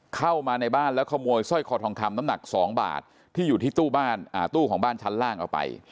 เข้ามาในบ้านแล้วขโมยสร้อยคอทองคำน้ำหนัก๒บาทที่อยู่ที่ตู้ของบ้านชั้นล่างเอาไป